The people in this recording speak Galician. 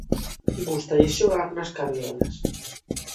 Gústalles xogar nas carriolas.